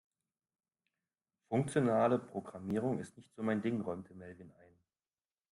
Funktionale Programmierung ist nicht so mein Ding, räumte Melvin ein.